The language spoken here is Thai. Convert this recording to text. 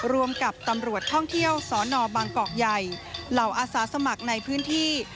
รวมกับตำรวจท่องเที่ยวสนบางกอกใหญ่เหล่าอาสาสมัครในพื้นที่